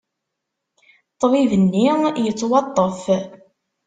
Ṭṭbib-nni yettwaṭṭef.